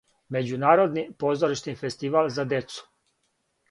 Међународни позоришни фестивал за децу.